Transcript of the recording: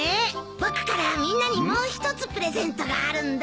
僕からみんなにもう一つプレゼントがあるんだ。